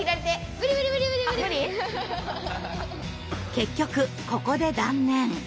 結局ここで断念。